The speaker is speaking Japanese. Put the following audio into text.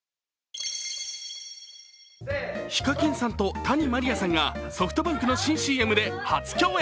ＨＩＫＡＫＩＮさんと谷まりあさんがソフトバンクの新ＣＭで初共演。